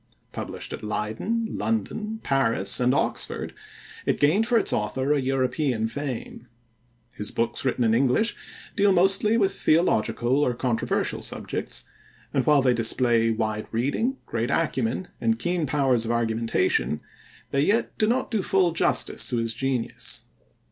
Published at Leyden, London, Paris, and Oxford, it gained for its author a European fame. His books written in English deal mostly with theological or controversial subjects, and while they display wide reading, great acumen, and keen powers of argumentation, they yet do not do full justice to his genius.